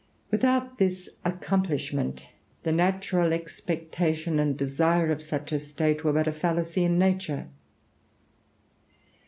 Without this accomplishment, the natural expectation and desire of such a state were but a fallacy in nature.